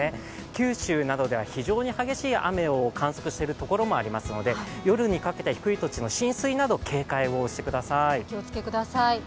九州などでは非常に激しい雨を観測しているところもありますので夜にかけては低い土地の浸水など警戒してください。